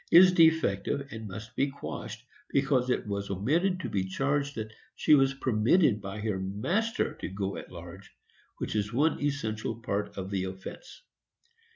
is defective and must be quashed, because it was omitted to be charged that she was permitted by her master to go at large, which is one essential part of the offence.